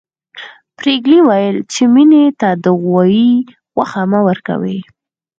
پريګلې ويل چې مينې ته د غوايي غوښه مه ورکوئ